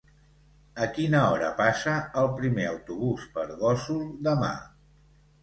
A quina hora passa el primer autobús per Gósol demà?